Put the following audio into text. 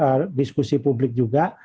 jadi diskusi publik juga